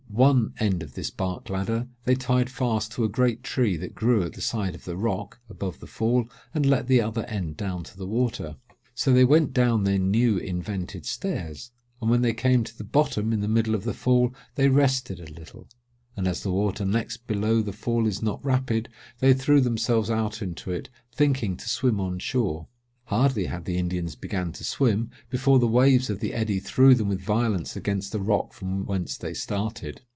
One end of this bark ladder they tied fast to a great tree that grew at the side of the rock above the Fall, and let the other end down to the water. "So they went down their new invented stairs; and when they came to the bottom in the middle of the Fall, they rested a little; and as the water next below the Fall is not rapid, they threw themselves out into it, thinking to swim on shore. Hardly had the Indians began to swim, before the waves of the eddy threw them with violence against the rock from whence they started.